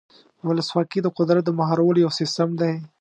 ولسواکي د قدرت د مهارولو یو سیستم دی.